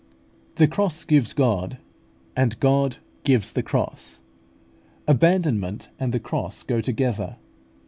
The cross gives God, and God gives the cross. Abandonment and the cross go together.